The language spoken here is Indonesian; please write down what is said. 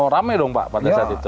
rame dong pak pada saat itu